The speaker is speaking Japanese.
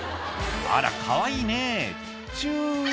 「あらかわいいねチュ」